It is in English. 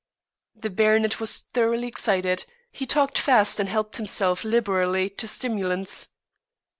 The baronet was thoroughly excited. He talked fast, and helped himself liberally to stimulants.